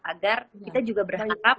agar kita juga berharap